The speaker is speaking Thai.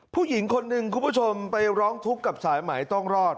ผู้หญิงคนหนึ่งคุณผู้ชมไปร้องทุกข์กับสายไหมต้องรอด